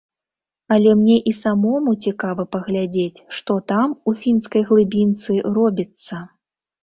Але мне і самому цікава паглядзець, што там, у фінскай глыбінцы, робіцца.